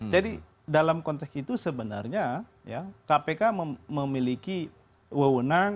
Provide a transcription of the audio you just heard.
jadi dalam konteks itu sebenarnya kpk memiliki wewenang